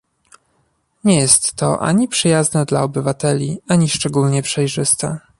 Nie jest to ani przyjazne dla obywateli ani szczególnie przejrzyste